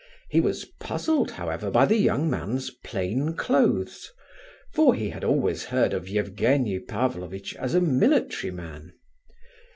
He was puzzled, however, by the young man's plain clothes, for he had always heard of Evgenie Pavlovitch as a military man.